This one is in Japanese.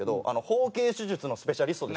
包茎手術のスペシャリスト。